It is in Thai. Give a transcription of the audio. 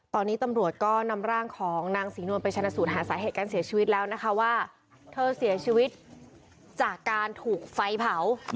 ตอนนี้ตำรวจก็นำร่างของนางศรีนวลไปชนะสูตรหาสาเหตุการเสียชีวิตแล้วนะคะว่าเธอเสียชีวิตจากการถูกไฟเผา